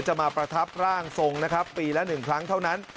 จำมาประทับร่างทรงเจ้าพ่อเสือปีละหนึ่งครั้งเท่านั้น